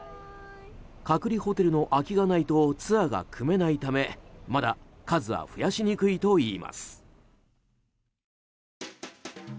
隔離ホテルの空きがないとツアーが組めないためまだ数は増やしにくいといいます。